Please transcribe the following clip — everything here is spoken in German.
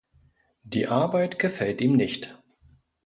Die Arbeit gefällt ihm nicht.